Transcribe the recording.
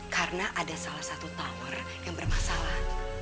karena ada salah satu tower yang bermasalah